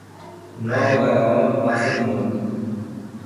Nova gaiola, pássaro morto.